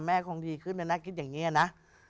แม่คงดีขึ้นแล้วน่ากินอย่างนี้ล่ะนะ